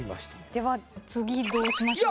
では次どうしましょうか？